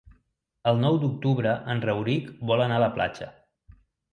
El nou d'octubre en Rauric vol anar a la platja.